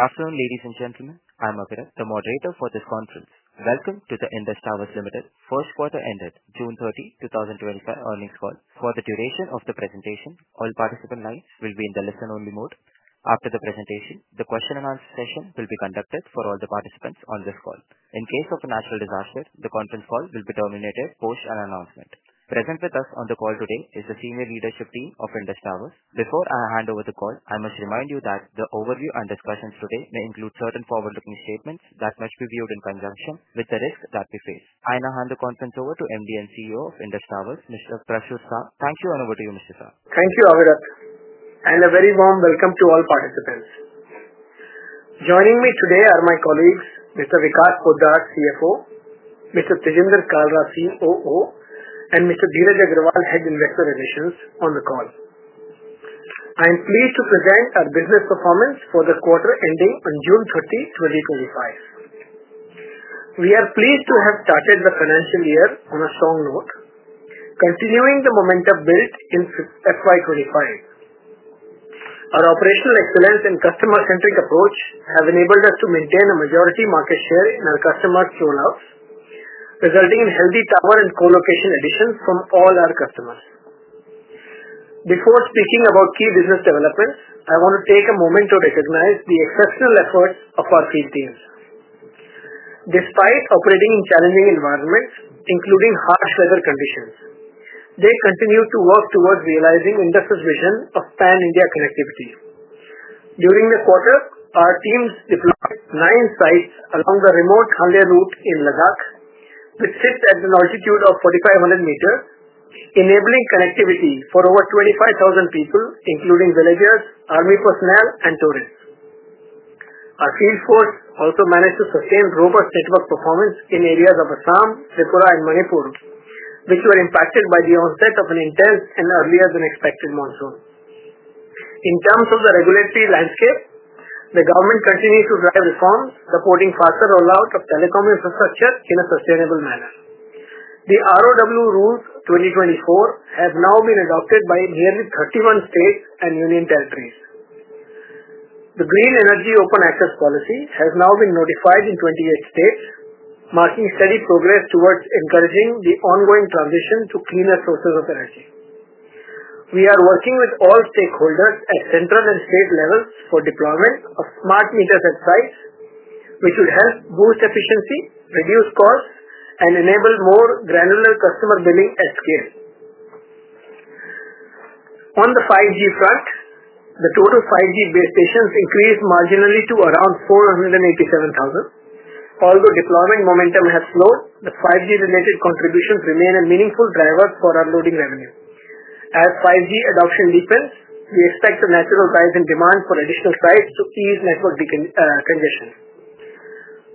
Afternoon, ladies and gentlemen. I'm Avira, the moderator for this conference. Welcome to the Indus Towers Limited first quarter ended June 30, 2025, earnings call. For the duration of the presentation, all participant lines will be in the listen-only mode. After the presentation, the Q&A session will be conducted for all the participants on this call. In case of a natural disaster, the conference call will be terminated post an announcement. Present with us on the call today is the senior leadership team of Indus Towers. Before I hand over the call, I must remind you that the overview and discussions today may include certain forward-looking statements that must be viewed in conjunction with the risks that we face. I now hand the conference over to MD and CEO of Indus Towers, Mr. Prachur Sah. Thank you, and over to you, Mr. Sah. Thank you, Avira. A very warm welcome to all participants. Joining me today are my colleagues, Mr. Vikas Poddar, CFO, Mr. Tejinder Kalra, COO, and Mr. Dheeraj Agarwal, Head of Investor Relations, on the call. I am pleased to present our business performance for the quarter ending on June 30, 2025. We are pleased to have started the financial year on a strong note, continuing the momentum built in FY 2025. Our operational excellence and customer-centric approach have enabled us to maintain a majority market share in our customers' rollouts, resulting in healthy tower and co-location additions from all our customers. Before speaking about key business developments, I want to take a moment to recognize the exceptional efforts of our field teams. Despite operating in challenging environments, including harsh weather conditions, they continue to work towards realizing Indus Tower's vision of pan-India connectivity. During the quarter, our teams deployed nine sites along the remote Hanle route in Ladakh, which sits at an altitude of 4,500 meters, enabling connectivity for over 25,000 people, including villagers, army personnel, and tourists. Our field force also managed to sustain robust network performance in areas of Assam, Tripura, and Manipur, which were impacted by the onset of an intense and earlier-than-expected monsoon. In terms of the regulatory landscape, the government continues to drive reforms, supporting faster rollout of telecom infrastructure in a sustainable manner. The ROW Rules 2024 have now been adopted by nearly 31 states and union territories. The Green Energy Open Access Policy has now been notified in 28 states, marking steady progress towards encouraging the ongoing transition to cleaner sources of energy. We are working with all stakeholders at central and state levels for deployment of smart meters at sites, which would help boost efficiency, reduce costs, and enable more granular customer billing at scale. On the 5G front, the total 5G base stations increased marginally to around 487,000. Although deployment momentum has slowed, the 5G-related contributions remain a meaningful driver for our loading revenue. As 5G adoption deepens, we expect a natural rise in demand for additional sites to ease network congestion.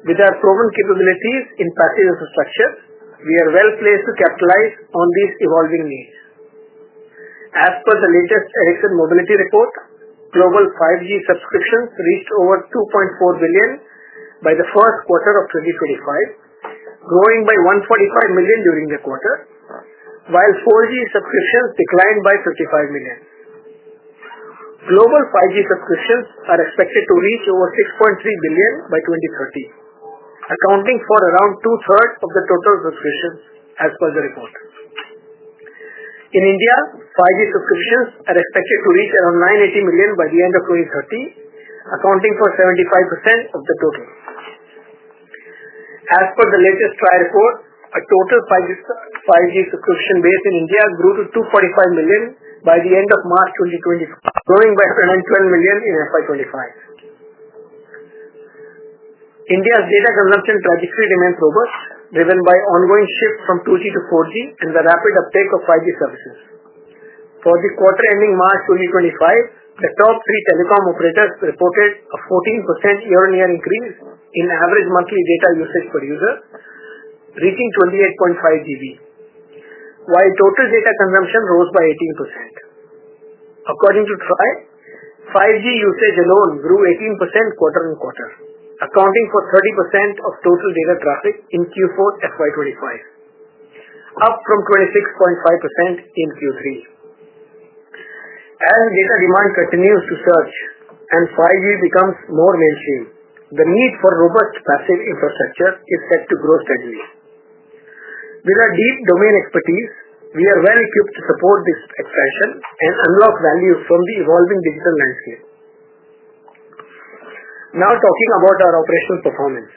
With our proven capabilities in passive infrastructure, we are well placed to capitalize on these evolving needs. As per the latest Ericsson Mobility Report, global 5G subscriptions reached over 2.4 billion by the first quarter of 2025, growing by 145 million during the quarter, while 4G subscriptions declined by 55 million. Global 5G subscriptions are expected to reach over 6.3 billion by 2030, accounting for around two-thirds of the total subscriptions, as per the report. In India, 5G subscriptions are expected to reach around 980 million by the end of 2030, accounting for 75% of the total. As per the latest TRAI report, the total 5G subscription base in India grew to 245 million by the end of March 2025, growing by around 12 million in FY 2025. India's data consumption trajectory remains robust, driven by ongoing shift from 2G to 4G and the rapid uptake of 5G services. For the quarter ending March 2025, the top three telecom operators reported a 14% year-on-year increase in average monthly data usage per user, reaching 28.5 GB, while total data consumption rose by 18%. According to TRAI, 5G usage alone grew 18% quarter on quarter, accounting for 30% of total data traffic in Q4 FY 2025, up from 26.5% in Q3. As data demand continues to surge and 5G becomes more mainstream, the need for robust passive infrastructure is set to grow steadily. With our deep domain expertise, we are well equipped to support this expansion and unlock value from the evolving digital landscape. Now talking about our operational performance,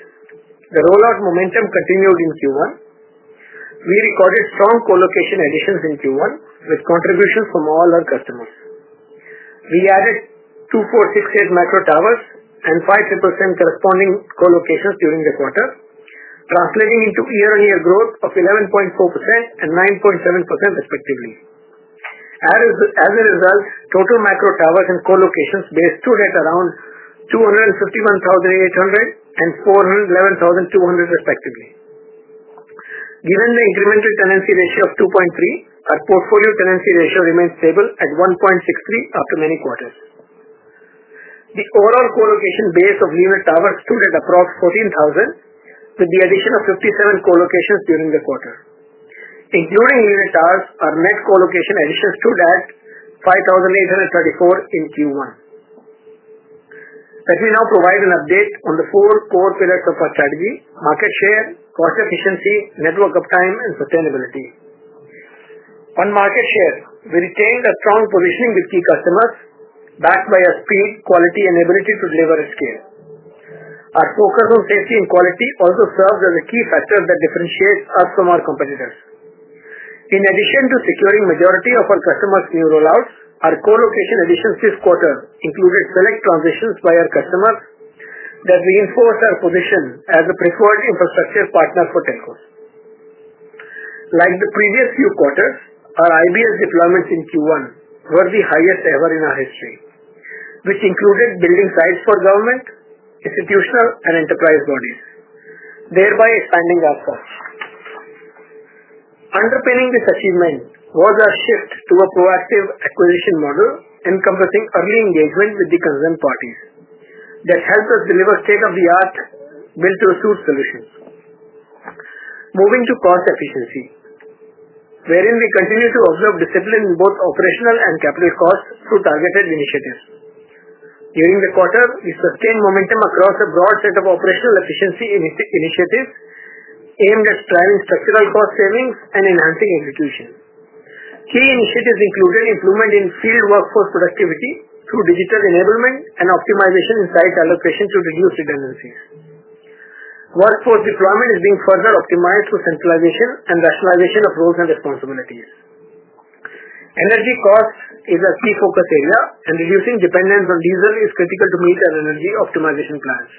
the rollout momentum continued in Q1. We recorded strong co-location additions in Q1, with contributions from all our customers. We added 2,468 macro towers and 5,568 corresponding co-locations during the quarter, translating into year-on-year growth of 11.4% and 9.7%, respectively. As a result, total macro towers and co-locations base stood at around 251,800 and 411,200, respectively. Given the incremental tenancy ratio of 2.3, our portfolio tenancy ratio remained stable at 1.63 after many quarters. The overall co-location base of leaner towers stood at approximately 14,000, with the addition of 57 co-locations during the quarter. Including leaner towers, our net co-location addition stood at 5,834 in Q1. Let me now provide an update on the four core pillars of our strategy: market share, cost efficiency, network uptime, and sustainability. On market share, we retained a strong positioning with key customers, backed by our speed, quality, and ability to deliver at scale. Our focus on safety and quality also serves as a key factor that differentiates us from our competitors. In addition to securing the majority of our customers' new rollouts, our co-location additions this quarter included select transitions by our customers that reinforced our position as a preferred infrastructure partner for telcos. Like the previous few quarters, our IBS deployments in Q1 were the highest ever in our history, which included building sites for government, institutional, and enterprise bodies, thereby expanding our costs. Underpinning this achievement was our shift to a proactive acquisition model encompassing early engagement with the concerned parties that helped us deliver state-of-the-art build-to-suit solutions. Moving to cost efficiency, we continue to observe discipline in both operational and capital costs through targeted initiatives. During the quarter, we sustained momentum across a broad set of operational efficiency initiatives aimed at driving structural cost savings and enhancing execution. Key initiatives included improvement in field workforce productivity through digital enablement and optimization in site allocation to reduce redundancies. Workforce deployment is being further optimized through centralization and rationalization of roles and responsibilities. Energy cost is a key focus area, and reducing dependence on diesel is critical to meet our energy optimization plans.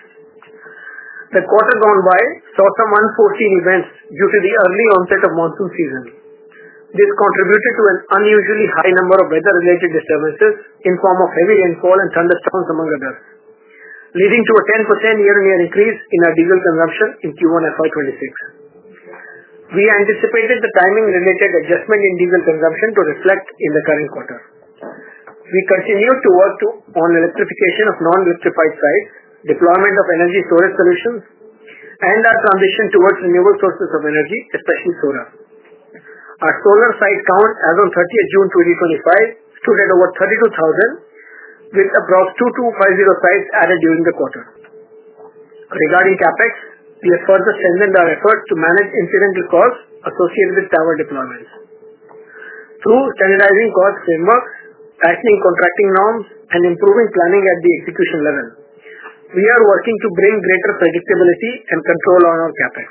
The quarter gone by saw some unforeseen events due to the early onset of monsoon season. This contributed to an unusually high number of weather-related disturbances in the form of heavy rainfall and thunderstorms, among others, leading to a 10% year-on-year increase in our diesel consumption in Q1 FY 2026. We anticipated the timing-related adjustment in diesel consumption to reflect in the current quarter. We continued to work on electrification of non-electrified sites, deployment of energy storage solutions, and our transition towards renewable sources of energy, especially solar. Our solar site count as of 30 June 2025 stood at over 32,000, with approximately 2,250 sites added during the quarter. Regarding CapEx, we have further strengthened our efforts to manage incidental costs associated with tower deployments. Through standardizing cost frameworks, tightening contracting norms, and improving planning at the execution level, we are working to bring greater predictability and control on our CapEx.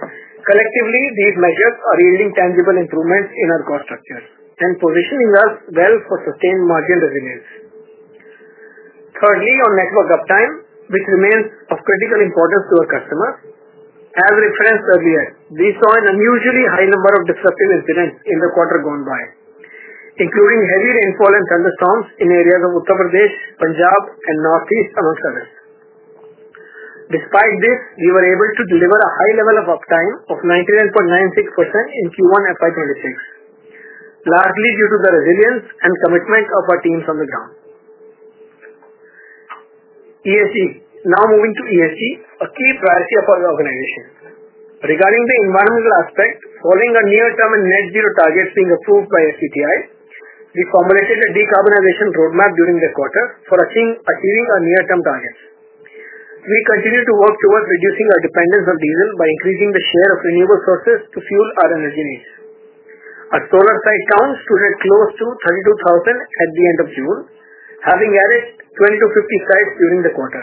Collectively, these measures are yielding tangible improvements in our cost structure and positioning us well for sustained margin resilience. Thirdly, on network uptime, which remains of critical importance to our customers. As referenced earlier, we saw an unusually high number of disruptive incidents in the quarter gone by, including heavy rainfall and thunderstorms in areas of Uttar Pradesh, Punjab, and Northeast, among others. Despite this, we were able to deliver a high level of uptime of 99.96% in Q1 FY 2026, largely due to the resilience and commitment of our teams on the ground. ESG. Now moving to ESG, a key priority of our organization. Regarding the environmental aspect, following our near-term and net-zero targets being approved by SBTi, we formulated a decarbonization roadmap during the quarter for achieving our near-term targets. We continue to work towards reducing our dependence on diesel by increasing the share of renewable sources to fuel our energy needs. Our solar site count stood at close to 32,000 at the end of June, having added 20 to 50 sites during the quarter.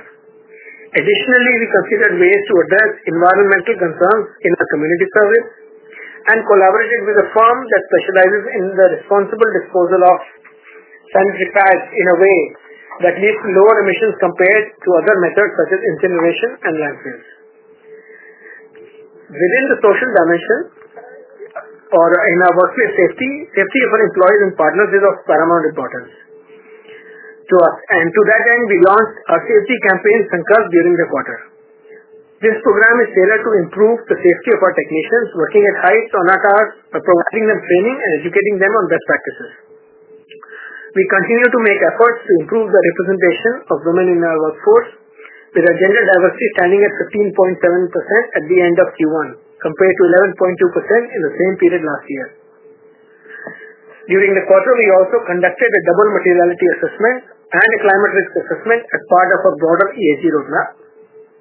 Additionally, we considered ways to address environmental concerns in our community service and collaborated with a firm that specializes in the responsible disposal of sanitary pads in a way that leads to lower emissions compared to other methods such as incineration and landfills. Within the social dimension, or in our workplace safety, safety of our employees and partners is of paramount importance. To that end, we launched our safety campaign, Sankalp, during the quarter. This program is tailored to improve the safety of our technicians working at heights or not hours by providing them training and educating them on best practices. We continue to make efforts to improve the representation of women in our workforce, with our gender diversity standing at 15.7% at the end of Q1, compared to 11.2% in the same period last year. During the quarter, we also conducted a double materiality assessment and a climate risk assessment as part of our broader ESG roadmap.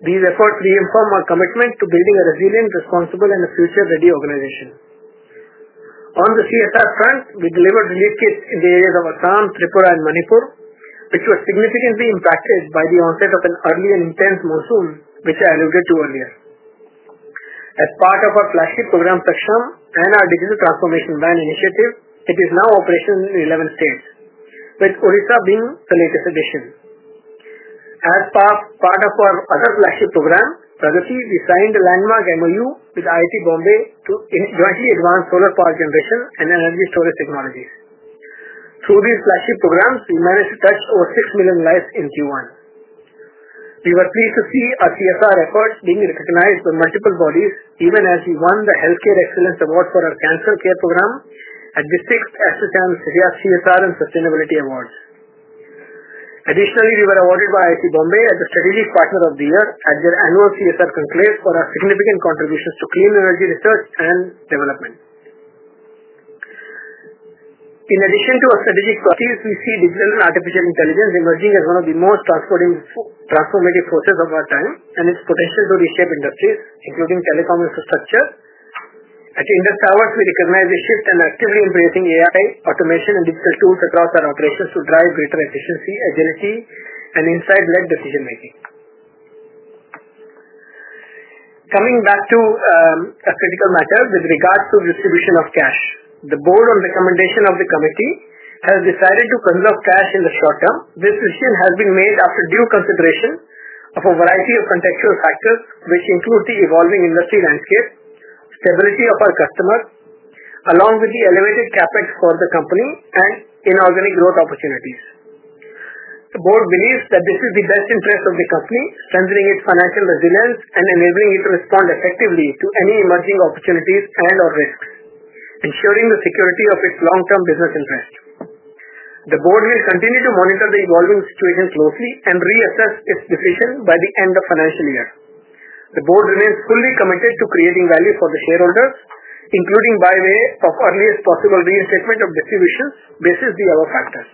These efforts reaffirm our commitment to building a resilient, responsible, and future-ready organization. On the CSR front, we delivered relief kits in the areas of Assam, Tripura, and Manipur, which were significantly impacted by the onset of an early and intense monsoon, which I alluded to earlier. As part of our flagship program, Saksham, and our Digital Transformation Van initiative, it is now operational in 11 states, with Orissa being the latest addition. As part of our other flagship program, Pragati, we signed a landmark MOU with IIT Bombay to jointly advance solar power generation and energy storage technologies. Through these flagship programs, we managed to touch over six million lives in Q1. We were pleased to see our CSR efforts being recognized by multiple bodies, even as we won the Healthcare Excellence Award for our cancer care program at the sixth ASSOCHAM CSR & Sustainability Award. Additionally, we were awarded by IIT Bombay as a Strategic Partner of the Year at their annual CSR Conclave for our significant contributions to clean energy research and development. In addition to our strategic priorities, we see digital and artificial intelligence emerging as one of the most transformative forces of our time and its potential to reshape industries, including telecom infrastructure. At Indus Towers, we recognize the shift and are actively embracing AI, automation, and digital tools across our operations to drive greater efficiency, agility, and insight-led decision-making. A critical matter with regards to distribution of cash, the board on recommendation of the committee has decided to conserve cash in the short term. This decision has been made after due consideration of a variety of contextual factors, which include the evolving industry landscape, stability of our customers, along with the elevated CapEx for the company, and inorganic growth opportunities. The board believes that this is in the best interest of the company, strengthening its financial resilience and enabling it to respond effectively to any emerging opportunities and/or risks, ensuring the security of its long-term business interest. The board will continue to monitor the evolving situation closely and reassess its decision by the end of the financial year. The board remains fully committed to creating value for the shareholders, including by way of earliest possible reinstatement of distributions, basis the above factors.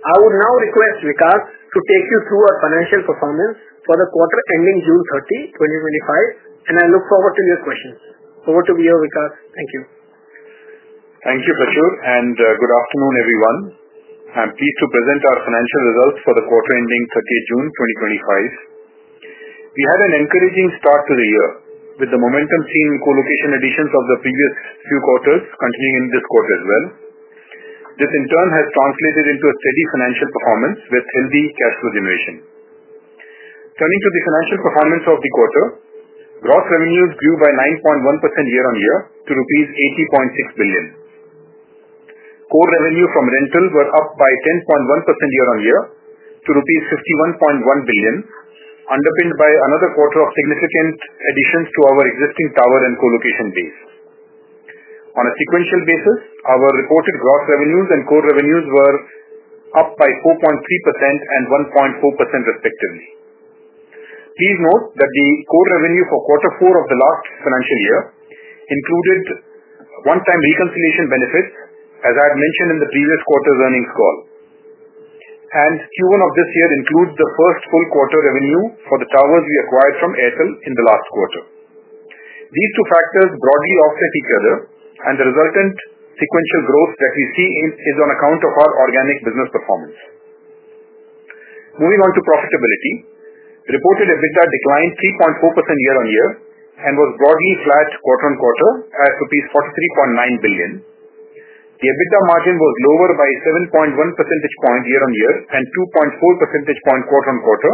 I would now request Vikas to take you through our financial performance for the quarter ending June 30, 2025, and I look forward to your questions. Over to you Vikas. Thank you. Thank you, Prachur. And good afternoon, everyone. I'm pleased to present our financial results for the quarter ending 30 June 2025. We had an encouraging start to the year with the momentum seen in co-location additions of the previous few quarters continuing in this quarter as well. This, in turn, has translated into a steady financial performance with healthy cash flow generation. Turning to the financial performance of the quarter, gross revenues grew by 9.1% year-on-year to rupees 80.6 billion. Core revenue from rental were up by 10.1% year-on-year to rupees 51.1 billion, underpinned by another quarter of significant additions to our existing tower and co-location base. On a sequential basis, our reported gross revenues and core revenues were up by 4.3% and 1.4%, respectively. Please note that the core revenue for quarter four of the last financial year included one-time reconciliation benefits, as I had mentioned in the previous quarter's earnings call. Q1 of this year includes the first full quarter revenue for the towers we acquired from Airtel in the last quarter. These two factors broadly offset each other, and the resultant sequential growth that we see is on account of our organic business performance. Moving on to profitability, reported EBITDA declined 3.4% year-on-year and was broadly flat quarter-on-quarter at rupees 43.9 billion. The EBITDA margin was lower by 7.1 percentage points year-on-year and 2.4 percentage points quarter-on-quarter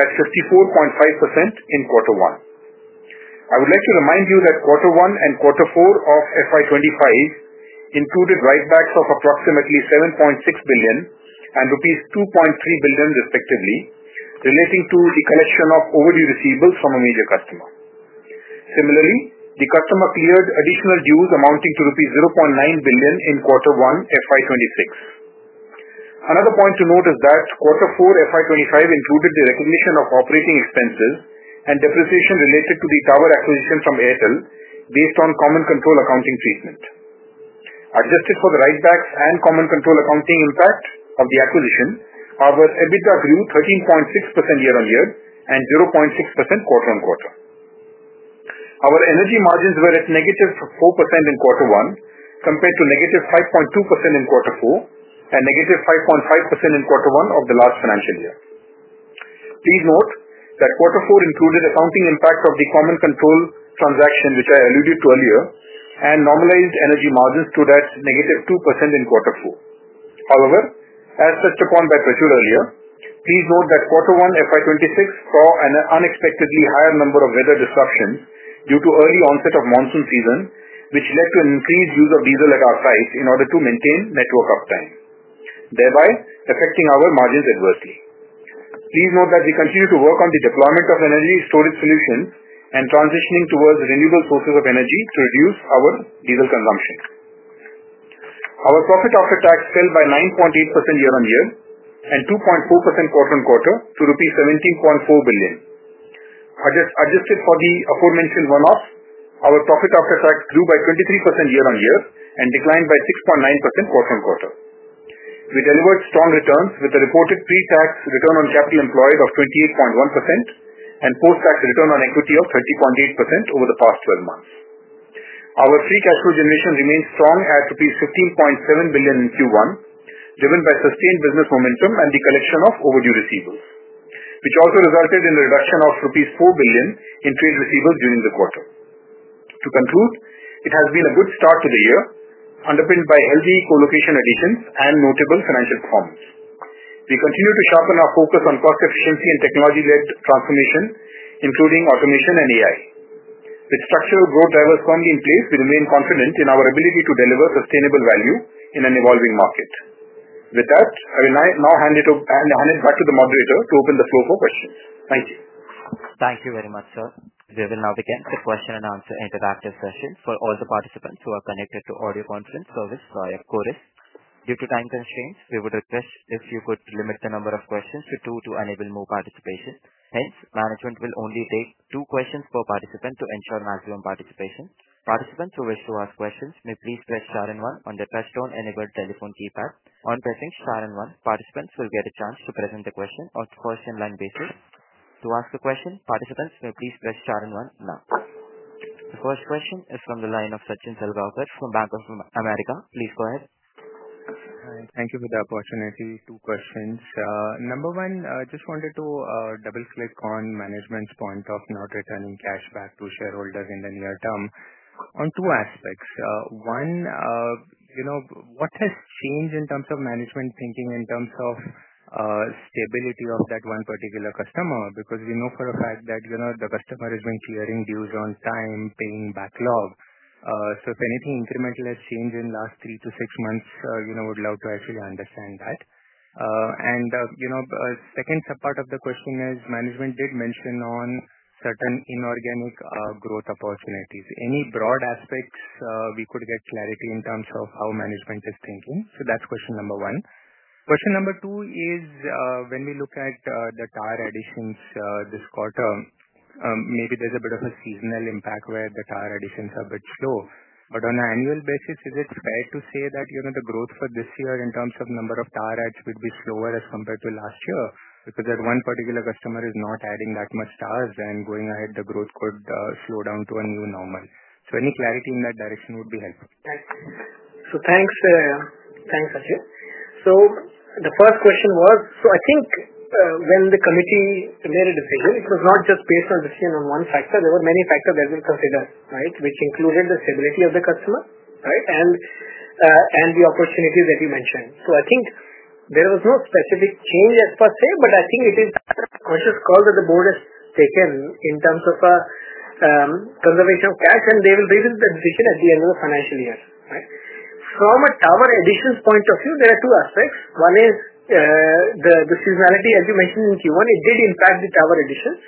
at 54.5% in quarter one. I would like to remind you that quarter one and quarter four of FY 2025 included write-backs of approximately 7.6 billion and rupees 2.3 billion, respectively, relating to the collection of overdue receivables from a major customer. Similarly, the customer cleared additional dues amounting to 0.9 billion rupees in quarter one FY 2026. Another point to note is that quarter four FY 2025 included the recognition of operating expenses and depreciation related to the tower acquisition from Airtel based on common control accounting treatment. Adjusted for the write-backs and common control accounting impact of the acquisition, our EBITDA grew 13.6% year-on-year and 0.6% quarter-on-quarter. Our energy margins were at -4% in quarter one compared to -5.2% in quarter four and -5.5% in quarter one of the last financial year. Please note that quarter four included accounting impact of the common control transaction, which I alluded to earlier, and normalized energy margins to that -2% in quarter four. However, as touched upon by Prachur earlier, please note that quarter one FY 2026 saw an unexpectedly higher number of weather disruptions due to early onset of monsoon season, which led to an increased use of diesel at our sites in order to maintain network uptime, thereby affecting our margins adversely. Please note that we continue to work on the deployment of energy storage solutions and transitioning towards renewable sources of energy to reduce our diesel consumption. Our profit after tax fell by 9.8% year-on-year and 2.4% quarter-on-quarter to rupees 17.4 billion. Adjusted for the aforementioned one-offs, our profit after tax grew by 23% year-on-year and declined by 6.9% quarter-on-quarter. We delivered strong returns with the reported pre-tax return on capital employed of 28.1% and post-tax return on equity of 30.8% over the past 12 months. Our free cash flow generation remained strong at rupees 15.7 billion in Q1, driven by sustained business momentum and the collection of overdue receivables, which also resulted in the reduction of 4 billion rupees in trade receivables during the quarter. To conclude, it has been a good start to the year, underpinned by healthy co-location additions and notable financial performance. We continue to sharpen our focus on cost efficiency and technology-led transformation, including automation and AI. With structural growth drivers firmly in place, we remain confident in our ability to deliver sustainable value in an evolving market. With that, I will now hand it back to the moderator to open the floor for questions. Thank you. Thank you very much, sir. We will now begin the Q&A interactive session for all the participants who are connected to audio conference service via Chorus Call. Due to time constraints, we would request if you could limit the number of questions to two to enable more participation. Hence, management will only take two questions per participant to ensure maximum participation. Participants who wish to ask questions may please press star and one on the touchstone-enabled telephone keypad. On pressing star and one, participants will get a chance to present the question on a first-in-line basis. To ask a question, participants may please press star and one now. The first question is from the line of Sachin Salgaonkar from Bank of America. Please go ahead. Thank you for the opportunity to ask two questions. Number one, I just wanted to double-click on management's point of not returning cash back to shareholders in the near term on two aspects. One, what has changed in terms of management thinking in terms of stability of that one particular customer? Because we know for a fact that the customer has been clearing dues on time, paying backlog. If anything, incremental has changed in the last three to six months, I would love to actually understand that. The second subpart of the question is management did mention certain inorganic growth opportunities. Any broad aspects we could get clarity in terms of how management is thinking? That's question number one. Question number two is when we look at the tower additions this quarter, maybe there's a bit of a seasonal impact where the tower additions are a bit slow. On an annual basis, is it fair to say that the growth for this year in terms of number of tower adds would be slower as compared to last year? That one particular customer is not adding that much towers, and going ahead, the growth could slow down to a new normal. Any clarity in that direction would be helpful. Thank you. Thanks, Sachin. The first question was, when the committee made a decision, it was not just based on a decision on one factor. There were many factors that were considered, which included the stability of the customer and the opportunities that you mentioned. There was no specific change per se, but it is a conscious call that the board has taken in terms of conservation of cash, and they will revisit the decision at the end of the financial year. From a tower additions point of view, there are two aspects. One is the seasonality, as you mentioned in Q1, it did impact the tower additions.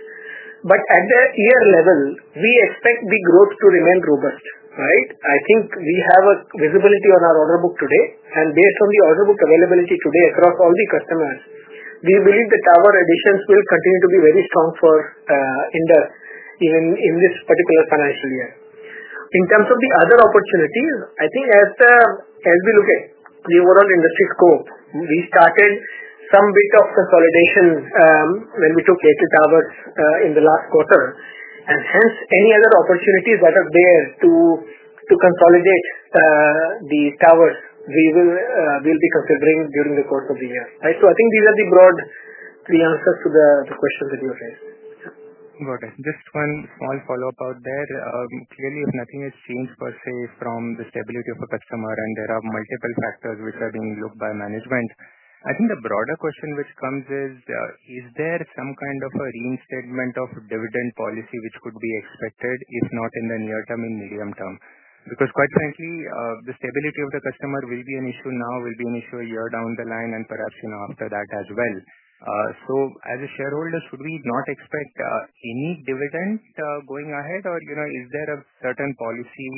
At the year level, we expect the growth to remain robust. We have visibility on our order book today, and based on the order book availability today across all the customers, we believe the tower additions will continue to be very strong for Indus, even in this particular financial year. In terms of the other opportunities, as we look at the overall industry scope, we started some bit of consolidation when we took Airtel towers in the last quarter. Any other opportunities that are there to consolidate the towers, we will be considering during the course of the year. These are the broad three answers to the questions that you raised. Got it. Just one small follow-up out there. Clearly, if nothing has changed per se from the stability of a customer and there are multiple factors which are being looked by management, I think the broader question which comes is, is there some kind of a reinstatement of dividend policy which could be expected, if not in the near term, in medium term? Quite frankly, the stability of the customer will be an issue now, will be an issue a year down the line, and perhaps after that as well. As a shareholder, should we not expect any dividend going ahead, or is there a certain policy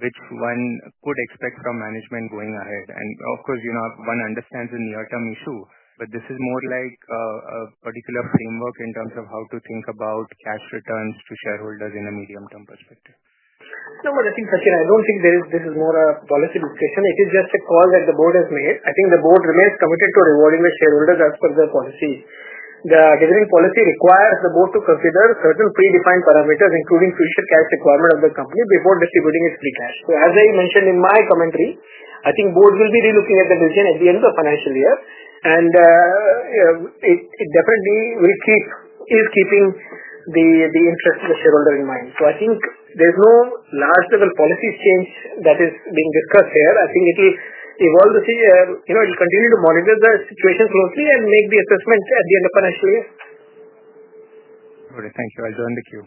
which one could expect from management going ahead? Of course, one understands the near-term issue, but this is more like a particular framework in terms of how to think about cash returns to shareholders in a medium-term perspective. No, I think, Sachin, I don't think this is more a policy discussion. It is just a call that the board has made. I think the board remains committed to rewarding the shareholders as per the policy. The dividend policy requires the board to consider certain pre-defined parameters, including future cash requirement of the company before distributing its free cash. As I mentioned in my commentary, I think the board will be relooking at the decision at the end of the financial year. It definitely is keeping the interest of the shareholder in mind. I think there's no large-level policy change that is being discussed here. I think it will evolve. It will continue to monitor the situation closely and make the assessment at the end of the financial year. Got it. Thank you. I'll join the queue.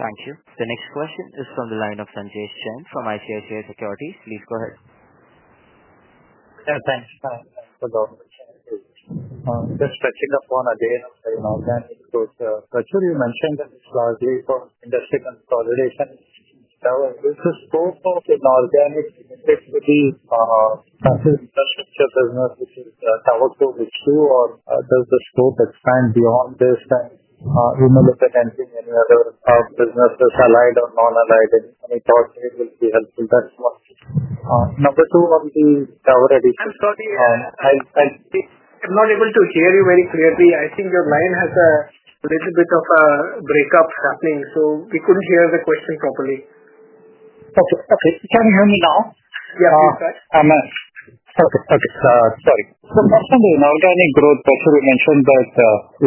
Thank you. The next question is from the line of Sanjesh Jain from ICICI Securities. Please go ahead. Thanks. Thanks for the opportunity. Just touching upon again on inorganic growth. Prachur, you mentioned that it's largely from industry consolidation. Now, is the scope of inorganic growth to be infrastructure business, which is Tower 2H2, or does the scope expand beyond this? In the look at any other businesses, allied or non-allied, any thoughts that will be helpful? That's one. Number two on the tower additions. I'm sorry. I'm not able to hear you very clearly. I think your line has a little bit of a breakup happening, so we couldn't hear the question properly. Okay. Can you hear me now? Yeah. Please try. Okay. Sorry. The question of inorganic growth, Prachur, you mentioned that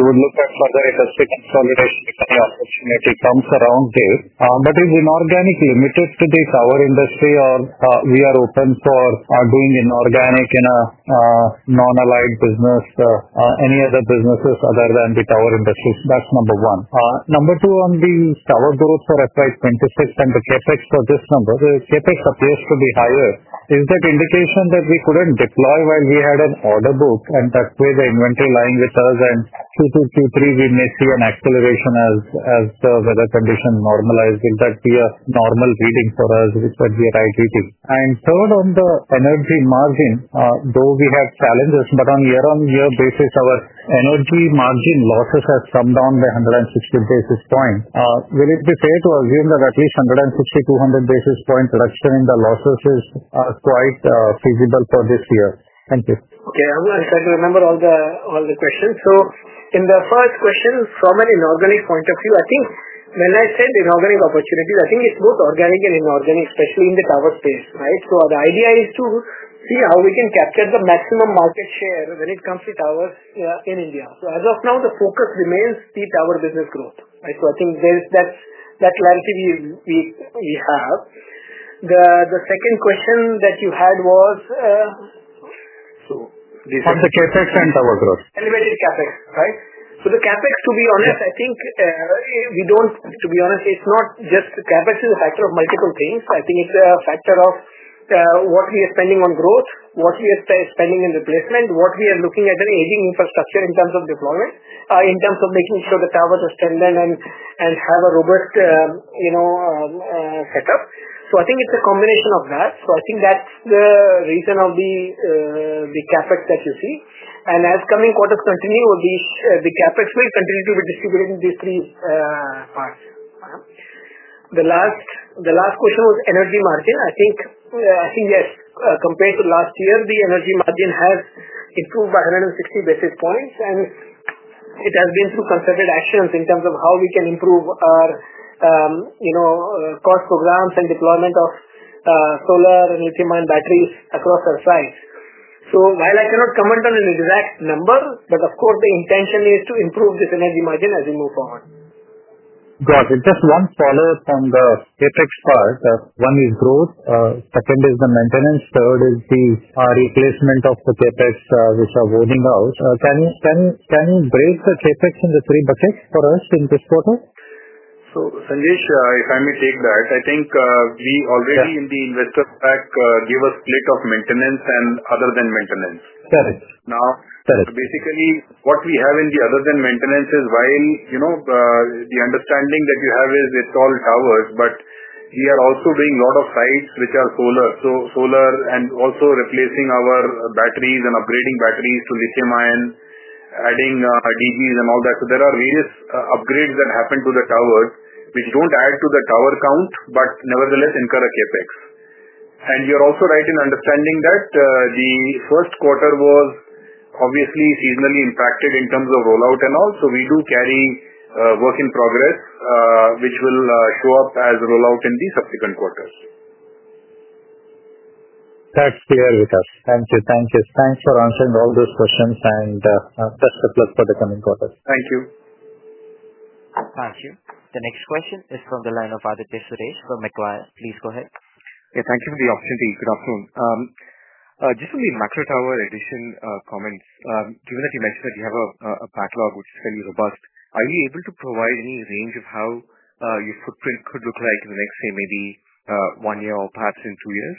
you would look at further industry consolidation if any opportunity comes around there. Is inorganic limited to the tower industry, or are we open for doing inorganic in a non-allied business, any other businesses other than the tower industries? That's number one. Number two, on the tower growth for FY 2026 and the CapEx for this number, the CapEx appears to be higher. Is that indication that we couldn't deploy while we had an order book, and that way the inventory lying with us, and Q2, Q3, we may see an acceleration as the weather conditions normalize? Would that be a normal reading for us, which would be a right reading? Third, on the energy margin, though we have challenges, on a year-on-year basis, our energy margin losses have come down by 160 basis points. Will it be fair to assume that at least 160-200 basis points reduction in the losses is quite feasible for this year? Thank you. Okay. I'm trying to remember all the questions. In the first question, from an inorganic point of view, when I said inorganic opportunities, I think it's both organic and inorganic, especially in the tower space. The idea is to see how we can capture the maximum market share when it comes to towers in India. As of now, the focus remains the tower business growth. I think that's that clarity we have. The second question that you had was? on the CapEx and tower growth. Elevated CapEx. To be honest, it's not just the CapEx; it's a factor of multiple things. It's a factor of what we are spending on growth, what we are spending in replacement, what we are looking at in aging infrastructure in terms of deployment, in terms of making sure the towers are standing and have a robust setup. It's a combination of that. That's the reason for the CapEx that you see. As coming quarters continue, the CapEx will continue to be distributed in these three parts. The last question was energy margin. Yes, compared to last year, the energy margin has improved by 160 basis points, and it has been through concerted actions in terms of how we can improve our cost programs and deployment of solar and lithium-ion batteries across our sites. While I cannot comment on an exact number, the intention is to improve this energy margin as we move forward. Got it. Just one follow-up on the CapEx part. One is growth. Second is the maintenance. Third is the replacement of the CapEx, which are voting out. Can you break the CapEx into three buckets for us in this quarter? So Sanjesh, if I may take that, I think we already in the investor pack give a split of maintenance and other than maintenance. Now, basically, what we have in the other than maintenance is while the understanding that you have is it's all towers, we are also doing a lot of sites which are solar. Solar and also replacing our batteries and upgrading batteries to lithium-ion, adding DGs and all that. There are various upgrades that happen to the towers, which don't add to the tower count, but nevertheless incur a CapEx. You're also right in understanding that the first quarter was obviously seasonally impacted in terms of rollout and all. We do carry work in progress, which will show up as rollout in the subsequent quarters. That's clear with us. Thank you. Thank you. Thanks for answering all those questions, and best of luck for the coming quarter. Thank you. The next question is from the line of Aditya Suresh from Macquarie. Please go ahead. Yeah. Thank you for the opportunity. Good afternoon. Just on the micro tower addition comments, given that you mentioned that you have a backlog which is fairly robust, are you able to provide any range of how your footprint could look like in the next, say, maybe one year or perhaps in two years?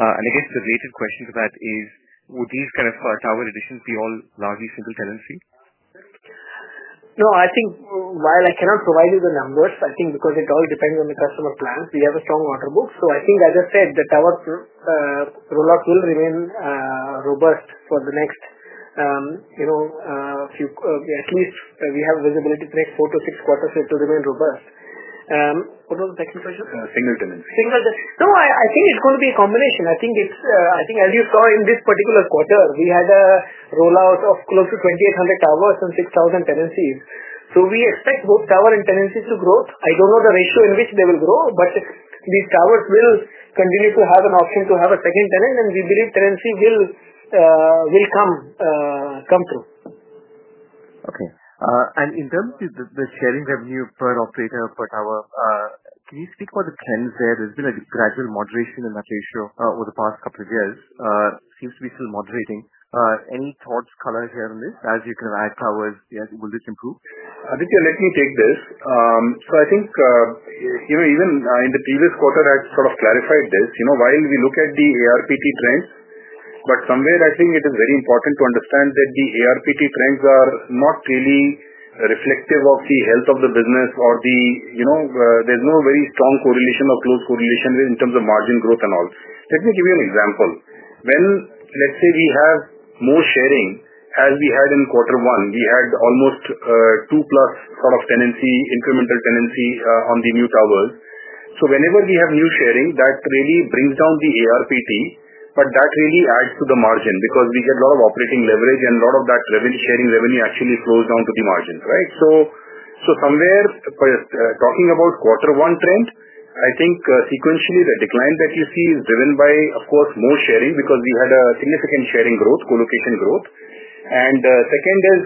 I guess the related question to that is, would these kind of tower additions be all largely single tenancy? No, I think while I cannot provide you the numbers, because it all depends on the customer plan, we have a strong order book. As I said, the tower rollout will remain robust for the next few, at least we have visibility to the next four to six quarters, it will remain robust. What was the second question? Single tenancy. Single tenancy. No, I think it's going to be a combination. As you saw in this particular quarter, we had a rollout of close to 2,800 towers and 6,000 tenancies. We expect both tower and tenancies to grow. I don't know the ratio in which they will grow, but these towers will continue to have an option to have a second tenant, and we believe tenancy will come through. Okay. In terms of the sharing revenue per operator per tower, can you speak about the trends there? There's been a gradual moderation in that ratio over the past couple of years. Seems to be still moderating. Any thoughts, color here on this? As you can add towers, will this improve? Aditya, let me take this. I think even in the previous quarter, I sort of clarified this. While we look at the ARPT trends, it is very important to understand that the ARPT trends are not really reflective of the health of the business, or there's no very strong correlation or close correlation in terms of margin growth and all. Let me give you an example. Let's say we have more sharing as we had in quarter one. We had almost two-plus sort of tenancy, incremental tenancy on the new towers. Whenever we have new sharing, that really brings down the ARPT, but that really adds to the margin because we get a lot of operating leverage, and a lot of that sharing revenue actually flows down to the margins. Talking about quarter one trend, I think sequentially, the decline that you see is driven by, of course, more sharing because we had a significant sharing growth, co-location growth. Second is,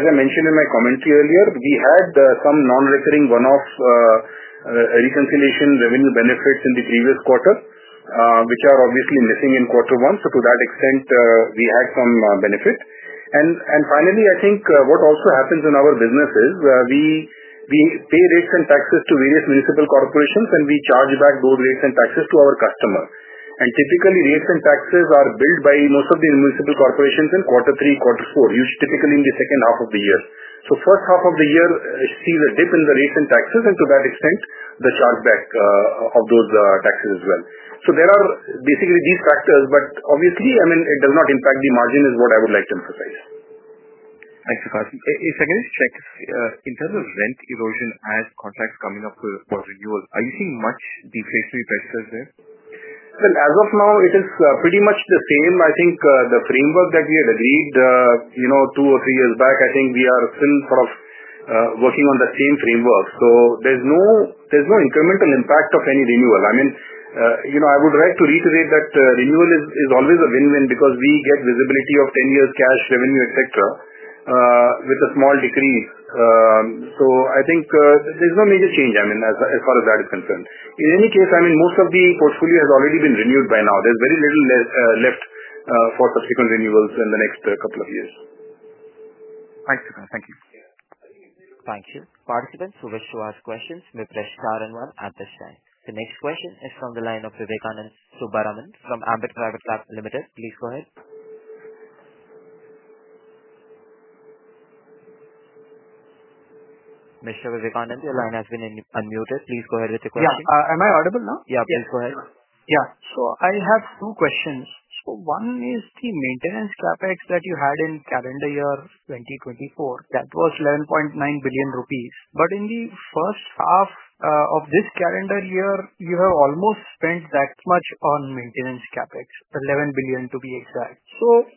as I mentioned in my commentary earlier, we had some non-recurring one-off reconciliation revenue benefits in the previous quarter, which are obviously missing in quarter one. To that extent, we had some benefit. Finally, what also happens in our business is we pay rates and taxes to various municipal corporations, and we charge back those rates and taxes to our customers. Typically, rates and taxes are billed by most of the municipal corporations in quarter three, quarter four, usually in the second half of the year. The first half of the year sees the dip in the rates and taxes, and to that extent, the chargeback of those taxes as well. There are basically these factors, but obviously, it does not impact the margin is what I would like to emphasize. Thank you, Prachur. Second, just to check, in terms of rent erosion as contracts coming up for renewal, are you seeing much deflationary pressures there? As of now, it is pretty much the same. I think the framework that we had agreed two or three years back, we are still sort of working on the same framework. There's no incremental impact of any renewal. I would like to reiterate that renewal is always a win-win because we get visibility of 10 years cash revenue, etc., with a small decrease. There's no major change, as far as that is concerned. In any case, most of the portfolio has already been renewed by now. There's very little left for subsequent renewals in the next couple of years. Thanks again. Thank you. Participants who wish to ask questions may press star and one at this time. The next question is from the line of Vivekanand Subbaraman from Ambit Private Limited. Please go ahead. Mr. Vivekanand, your line has been unmuted. Please go ahead with your question. Yeah. Am I audible now? Yeah. Please go ahead. Yeah. I have two questions. One is the maintenance CapEx that you had in calendar year 2024, that was 11.9 billion rupees. In the first half of this calendar year, you have almost spent that much on maintenance CapEx, 11 billion to be exact.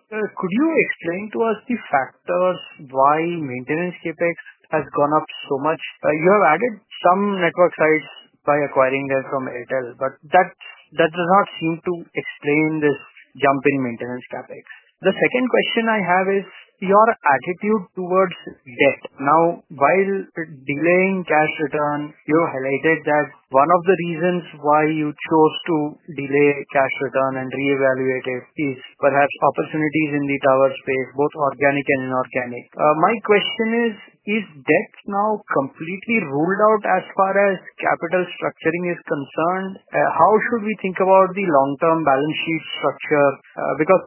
Could you explain to us the factors why maintenance CapEx has gone up so much? You have added some network sites by acquiring them from Airtel, but that does not seem to explain this jump in maintenance CapEx. The second question I have is your attitude towards debt. Now, while delaying cash return, you highlighted that one of the reasons why you chose to delay cash return and re-evaluate it is perhaps opportunities in the tower space, both organic and inorganic. My question is, is debt now completely ruled out as far as capital structuring is concerned? How should we think about the long-term balance sheet structure?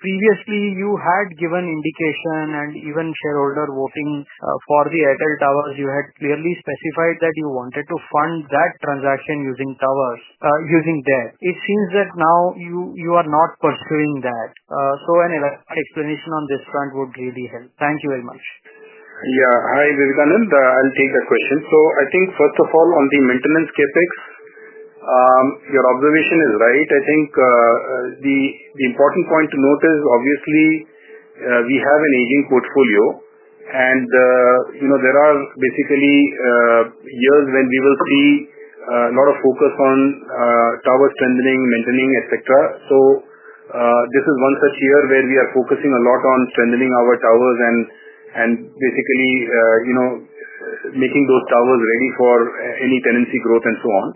Previously, you had given indication and even shareholder voting for the Airtel towers, you had clearly specified that you wanted to fund that transaction using debt. It seems that now you are not pursuing that. An elaborate explanation on this front would really help. Thank you very much. Yeah. Hi, Vivekanand. I'll take that question. First of all, on the maintenance CapEx, your observation is right. The important point to note is, obviously, we have an aging portfolio. There are basically years when we will see a lot of focus on tower strengthening, maintaining, etc. This is one such year where we are focusing a lot on strengthening our towers and basically making those towers ready for any tenancy growth and so on.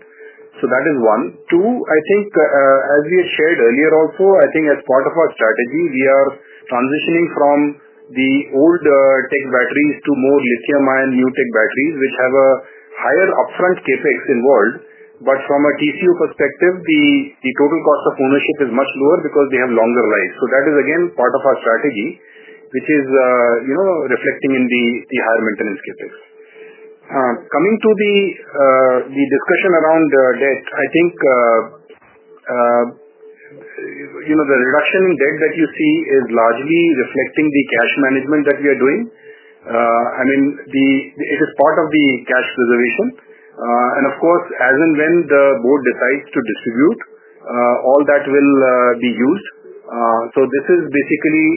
That is one. Two, as we had shared earlier also, as part of our strategy, we are transitioning from the old tech batteries to more lithium-ion, new tech batteries, which have a higher upfront CapEx involved. From a TCO perspective, the total cost of ownership is much lower because they have longer lives. That is, again, part of our strategy, which is. Reflecting in the higher maintenance CapEx. Coming to the discussion around debt, I think the reduction in debt that you see is largely reflecting the cash management that we are doing. It is part of the cash reservation. Of course, as and when the board decides to distribute, all that will be used. This is basically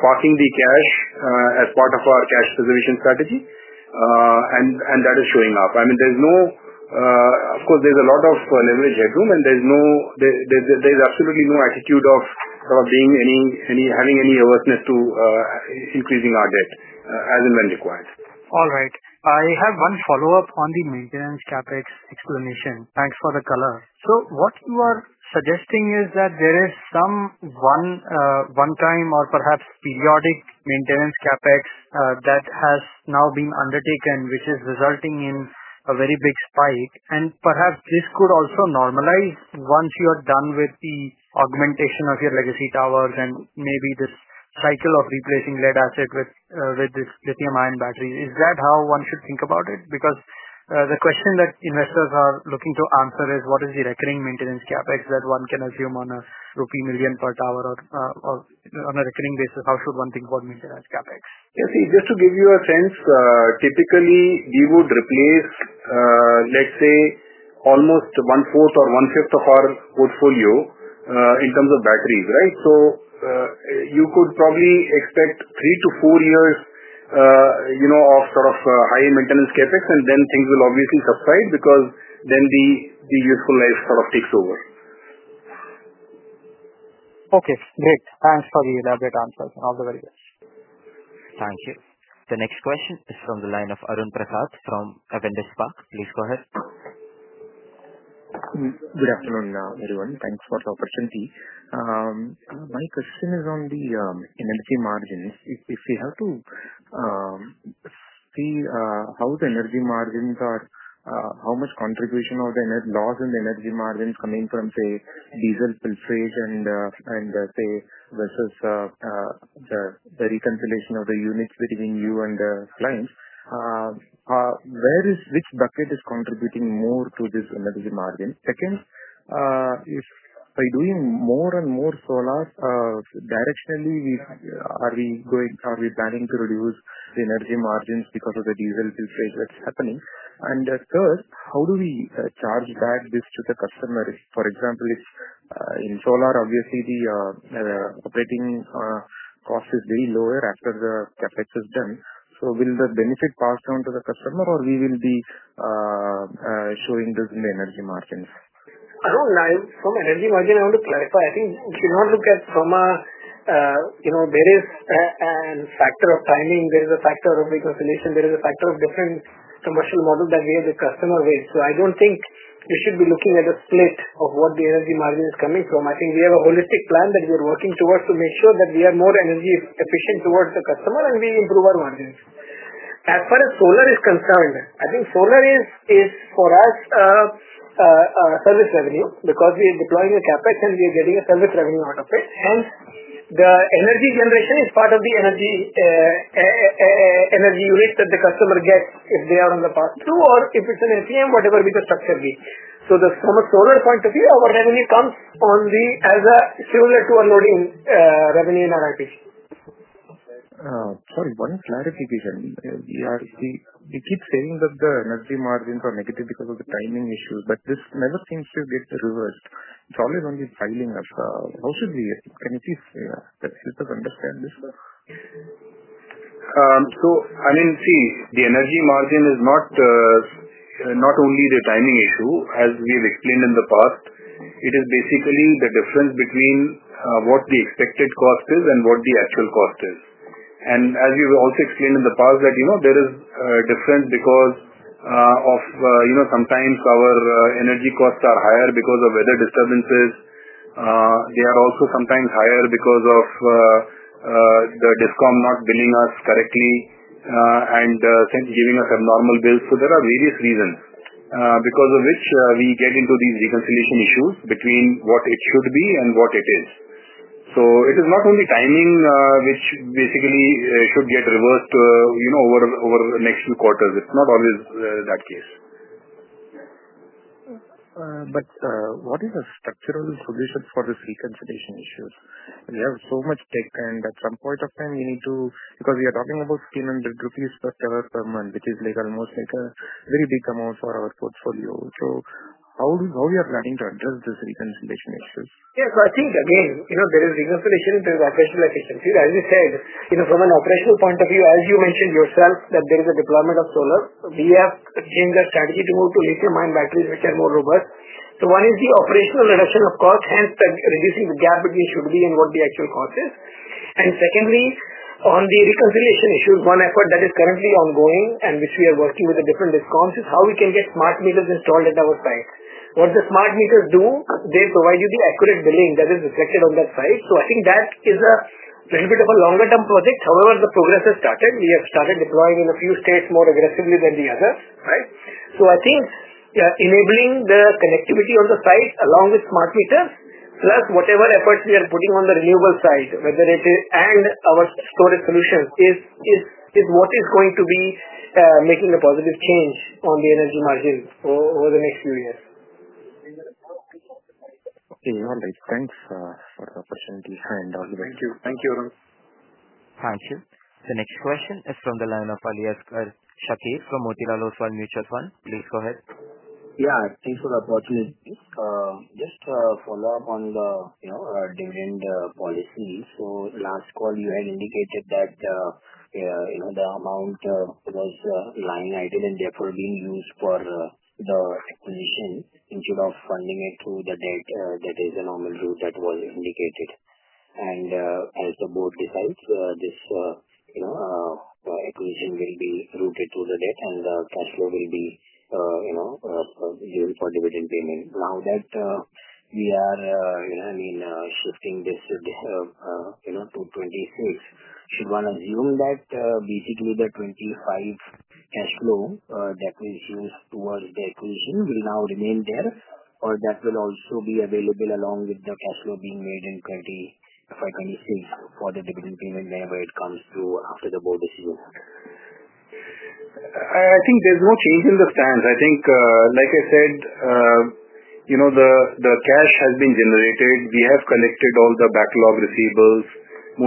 parking the cash as part of our cash reservation strategy, and that is showing up. There is a lot of leverage headroom, and there's absolutely no attitude of having any aversion to increasing our debt as and when required. I have one follow-up on the maintenance CapEx explanation. Thanks for the color. What you are suggesting is that there is some one-time or perhaps periodic maintenance CapEx that has now been undertaken, which is resulting in a very big spike. Perhaps this could also normalize once you are done with the augmentation of your legacy towers and maybe this cycle of replacing lead-acid with lithium-ion batteries. Is that how one should think about it? The question that investors are looking to answer is, what is the recurring maintenance CapEx that one can assume on a rupee 1 million per tower or on a recurring basis? How should one think about maintenance CapEx? Yeah. See, just to give you a sense, typically, we would replace almost 1/4 or 1/5 of our portfolio in terms of batteries, right? You could probably expect three to four years of sort of high maintenance CapEx, and then things will obviously subside because then the useful life sort of takes over. Great. Thanks for the elaborate answers. All the very best. Thank you. The next question is from the line of Arun Prasath from Avendus Spark. Please go ahead. Good afternoon, everyone. Thanks for the opportunity. My question is on the energy margins. If you have to see how the energy margins are, how much contribution of the net loss in the energy margins is coming from, say, diesel filtration versus the reconciliation of the units between you and the clients, which bucket is contributing more to this energy margin? Second, if by doing more and more solar, directionally, are we planning to reduce the energy margins because of the diesel filtration that's happening? Third, how do we charge back this to the customer? For example, in solar, obviously, the operating cost is very lower after the CapEx is done. Will the benefit pass down to the customer, or will we be showing this in the energy margins? For energy margin, I want to clarify. I think you should not look at it from a various factor of timing. There is a factor of reconciliation. There is a factor of different commercial models that we have with the customer. I don't think we should be looking at a split of what the energy margin is coming from. We have a holistic plan that we are working towards to make sure that we are more energy efficient towards the customer and we improve our margins. As far as solar is concerned, I think solar is, for us, a service revenue because we are deploying a CapEx and we are getting a service revenue out of it. The energy generation is part of the energy unit that the customer gets if they are on the path to, or if it's an LPM, whatever the structure be. From a solar point of view, our revenue comes as similar to our loading revenue in RRP. Sorry, one clarification. We keep saying that the energy margins are negative because of the timing issues, but this never seems to get reversed. It's always on the filing of how should we—can you please help us understand this? The energy margin is not only the timing issue. As we have explained in the past, it is basically the difference between what the expected cost is and what the actual cost is. As we've also explained in the past, there is a difference because sometimes our energy costs are higher because of weather disturbances. They are also sometimes higher because of the DISCOM not billing us correctly and giving us abnormal bills. There are various reasons because of which we get into these reconciliation issues between what it should be and what it is. It is not only timing, which basically should get reversed over the next few quarters. It's not always that case. What is the structural solution for this reconciliation issue? We have so much tech, and at some point of time, we need to—because we are talking about INR 1,500 per tower per month, which is almost a very big amount for our portfolio. How are we planning to address this reconciliation issue? I think, again, there is reconciliation into the operational efficiency. As you said, from an operational point of view, as you mentioned yourself, there is a deployment of solar, we have changed our strategy to move to lithium-ion batteries, which are more robust. One is the operational reduction of cost, hence reducing the gap between should be and what the actual cost is. Secondly, on the reconciliation issues, one effort that is currently ongoing and which we are working with the different DISCOMs is how we can get smart meters installed at our site. What the smart meters do, they provide you the accurate billing that is reflected on that site. I think that is a little bit of a longer-term project. However, the progress has started. We have started deploying in a few states more aggressively than the others, right? I think enabling the connectivity on the site along with smart meters, plus whatever efforts we are putting on the renewable side, whether it is and our storage solutions, is what is going to be making a positive change on the energy margin over the next few years. Okay. All right. Thanks for the opportunity and all the best. Thank you, Arun. Thank you. The next question is from the line of Aliasgar Shakir from Motilal Oswal Mutual Fund. Please go ahead. Yeah. Thanks for the opportunity. Just a follow-up on the dividend policy. Last call, you had indicated that the amount was lying idle and therefore being used for the acquisition instead of funding it through the debt. That is the normal route that was indicated. As the board decides, this acquisition will be routed through the debt, and the cash flow will be used for dividend payment. Now that we are, I mean, shifting this to 2026, should one assume that basically the 2025 cash flow that was used towards the acquisition will now remain there, or that will also be available along with the cash flow being made in FY2026 for the dividend payment whenever it comes to after the board decision? I think there's no change in the stance. I think, like I said, the cash has been generated. We have collected all the backlog receivables,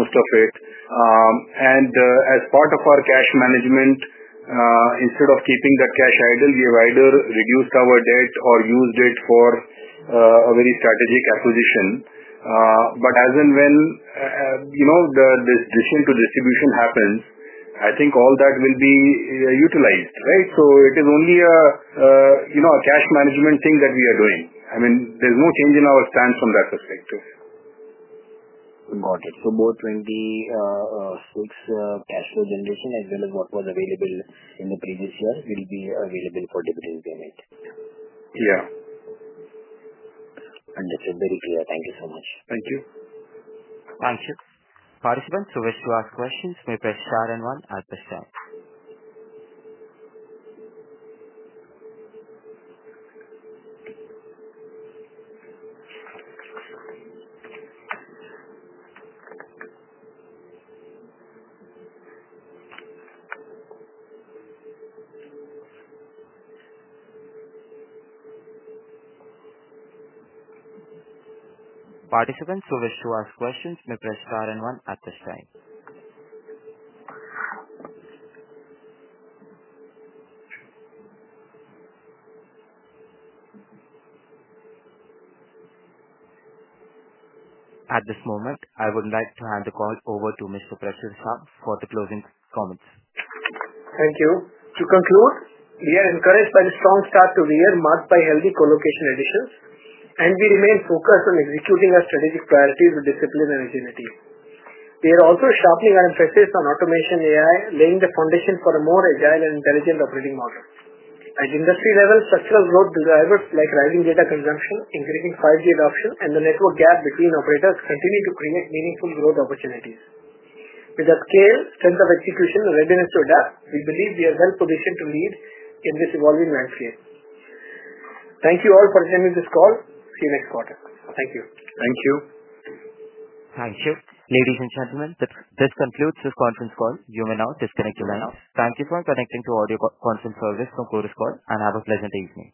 most of it. As part of our cash management, instead of keeping that cash idle, we have either reduced our debt or used it for a very strategic acquisition. As and when this decision to distribution happens, I think all that will be utilized, right? It is only a cash management thing that we are doing. I mean, there's no change in our stance from that perspective. Got it. So both 2026 cash flow generation, as well as what was available in the previous year, will be available for dividend payment? Yeah. Understood. Very clear. Thank you so much. Thank you. Thank you. Participants who wish to ask questions may press star and one at the stop. Participants who wish to ask questions may press star and one at the sign. At this moment, I would like to hand the call over to Mr. Prachur Sah for the closing comments. Thank you. To conclude, we are encouraged by the strong start to the year, marked by healthy co-location additions, and we remain focused on executing our strategic priorities with discipline and agility. We are also sharpening our emphasis on automation and AI, laying the foundation for a more agile and intelligent operating model. At industry level, structural growth drivers like rising data consumption, increasing 5G adoption, and the network gap between operators continue to create meaningful growth opportunities. With the scale, strength of execution, and readiness to adapt, we believe we are well-positioned to lead in this evolving landscape. Thank you all for attending this call. See you next quarter. Thank you. Thank you. Thank you. Ladies and gentlemen, this concludes this conference call. You may now disconnect your line. Thank you for connecting to audio conference service from Chorus Call and have a pleasant evening.